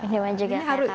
dengan juga rkpt